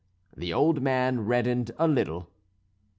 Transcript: The old man reddened a little.